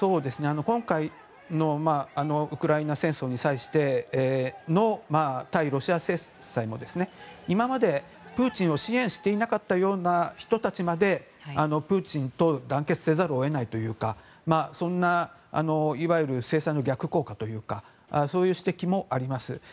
今回のウクライナ戦争に際しての対ロシア制裁の今までプーチンを支援していなかったような人たちまでプーチンと団結せざるを得ないというかいわゆる制裁の逆効果というかそういう指摘もあります。